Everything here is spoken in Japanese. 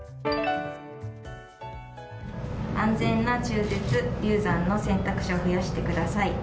安全な中絶、流産の選択肢を増やしてください。